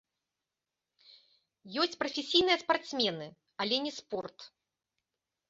Ёсць прафесійныя спартсмены, але не спорт.